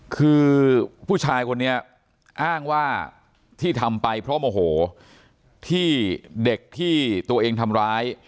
คือผู้ชายคนนี้อ้างว่าที่ทำไปเพราะโมโหที่เด็กที่ตัวเองทำร้าย